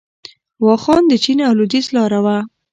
واخان د چین او لویدیځ لاره وه